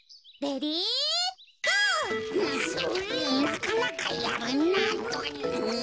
なかなかやるなぁ。